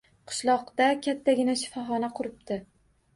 Qishloqda kattagina shifoxona quribdi